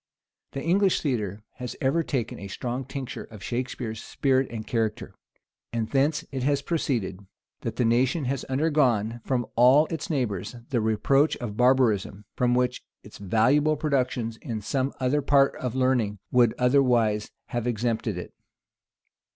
The English theatre has ever since taken a strong tincture of Shakspeare's spirit and character; and thence it has proceeded, that the nation has undergone, from all its neighbors, the reproach of barbarism, from which its valuable productions in some other parts of learning would otherwise have exempted it.